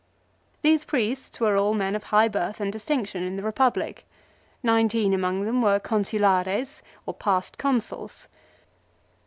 These priests were all men of high birth and distinction in the Republic. Nineteen among them were " Consulares," or past Consuls.